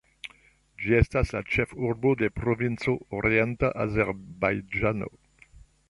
Ĝi estas la ĉefurbo de provinco Orienta Azerbajĝano.